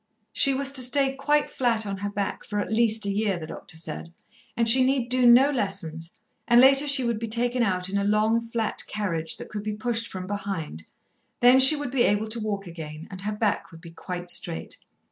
She was to stay quite flat on her back for at least a year, the doctor said, and she need do no lessons, and later she would be taken out in a long flat carriage that could be pushed from behind, then she would be able to walk again, and her back would be quite straight.